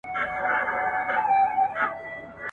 بیا به سېل د شوپرکو له رڼا وي تورېدلی !.